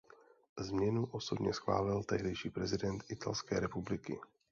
Změnu osobně schválil tehdejší prezident Italské republiky.